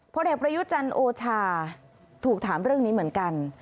เด็กประยุจันทร์โอชาถูกถามเรื่องนี้เหมือนกัน